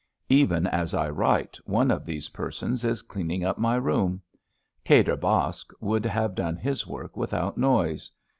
Even as I write, one of these persons ia cleaning up my room. Kadir Baksh would have done his work without noise.